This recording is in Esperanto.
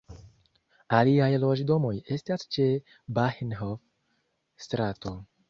Aliaj loĝdomoj estas ĉe Bahnhof-strato.